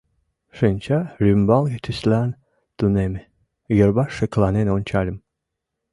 Шинча рӱмбалге тӱслан тунеме, йырваш шекланен ончальым.